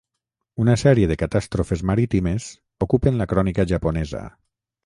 Una sèrie de catàstrofes marítimes ocupen la crònica japonesa.